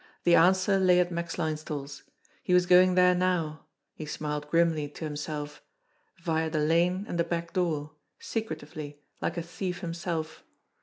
The answer lav a* Max Linesthal's. He was going there now ne smiled grimly ro nimself via the lane and the back door, secretively, like a thief himself.